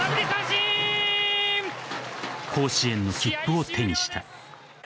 甲子園の切符を手にした。